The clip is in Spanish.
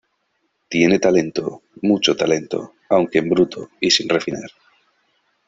Tiene talento, mucho talento, aunque en bruto y sin refinar.